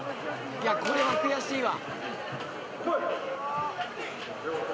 これは悔しいわ。